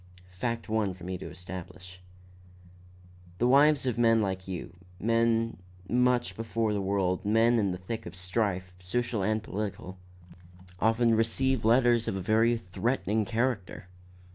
Fact one for me to establish. "The wives of men like you men much before the world, men in the thick of strife, social and political often receive letters of a very threatening character."